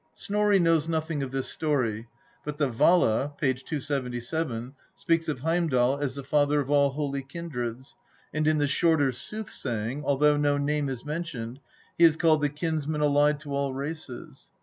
Snorri knows nothing of this story, but the Vala (p. 277) speaks of Heimdal as the father of all "holy kindreds," and in the "Shorter Soothsaying," although no name is mentioned, he is called " the kins man allied to all races."